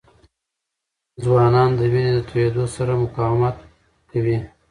ځوانان د وینې د تویېدو سره سره مقاومت کوي.